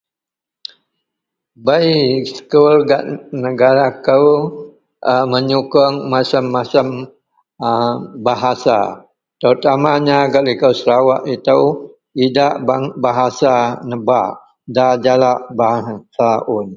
bei sekul gak negara kou a meyukung macem-macem a bahasa terutamanya gak liko serawok itou idak bahasa nebak da jalak bahasa un